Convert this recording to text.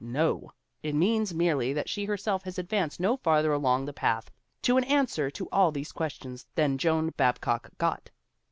No ! It means merely that she herself has advanced no farther along the path to an answer to all these questions than Joan Babcock got.